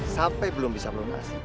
sampai belum bisa melunasi